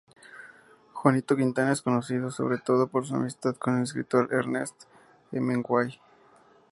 Juanito Quintana es conocido sobre todo por su amistad con el escritor Ernest Hemingway.